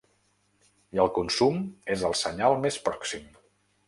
I el consum és el senyal més pròxim.